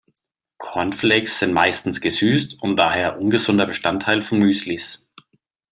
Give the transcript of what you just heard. Cornflakes sind meistens gesüßt und daher ungesunder Bestandteil von Müslis.